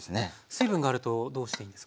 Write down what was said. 水分があるとどうしていいんですか？